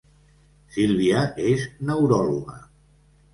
Sílvia és neuròloga